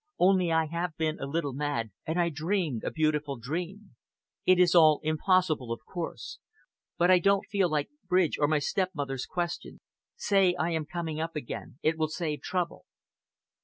Only I have been a little mad, and I dreamed a beautiful dream. It is all impossible, of course; but I don't feel like bridge or my stepmother's questions. Say I am coming up again. It will save trouble!"